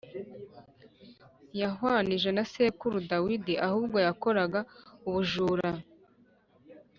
ntiyahwanije na sekuruza Dawidi ahubwo yakoraga ubujura.